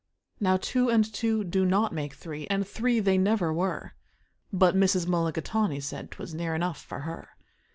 Now two and two do not make three, and three they never were; But Mrs. Mulligatawny said 'twas near enough for her.